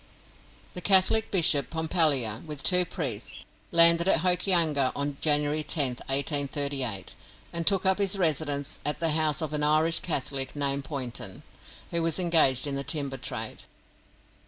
The Catholic Bishop Pompallier, with two priests, landed at Hokianga on January 10th, 1838, and took up his residence at the house of an Irish Catholic named Poynton, who was engaged in the timber trade.